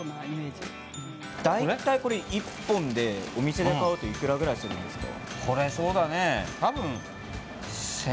大体これ１本で、お店で買うといくらぐらいするんですか？